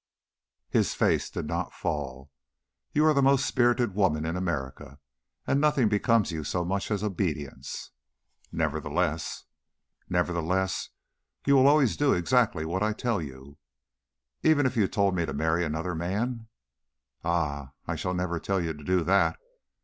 His face did not fall. "You are the most spirited woman in America, and nothing becomes you so much as obedience." "Nevertheless " "Nevertheless, you always will do exactly what I tell you." "Even if you told me to marry another man?" "Ah! I never shall tell you to do that.